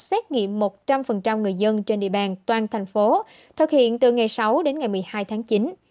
xét nghiệm một trăm linh người dân trên địa bàn toàn thành phố thực hiện từ ngày sáu đến ngày một mươi hai tháng chín